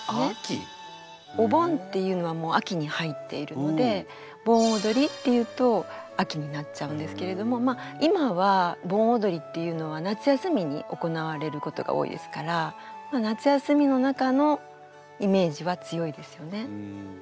お盆っていうのはもう秋に入っているので盆踊りっていうと秋になっちゃうんですけれどもまあ今は盆踊りっていうのは夏休みに行われることが多いですから夏休みの中のイメージは強いですよね。